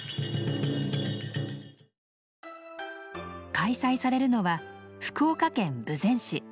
開催されるのは福岡県豊前市。